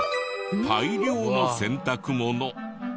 大量の洗濯物。